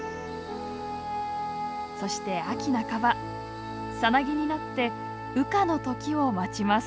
そして秋半ばサナギになって羽化の時を待ちます。